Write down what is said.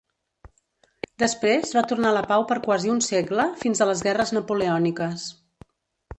Després va tornar la pau per quasi un segle fins a les guerres napoleòniques.